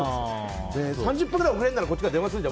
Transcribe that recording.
３０分くらい遅れるならこっちが電話するじゃん。